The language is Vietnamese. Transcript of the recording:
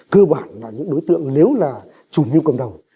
cơ bản là những đối tượng nếu là chủ nhiên cộng đồng